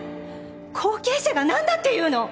後継者が何だっていうの！